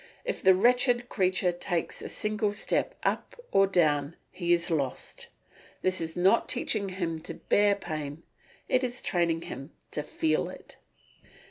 If the wretched creature takes a single step up or down he is lost. This is not teaching him to bear pain; it is training him to feel it.